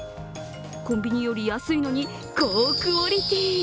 コンビニより安いのに、高クオリティー。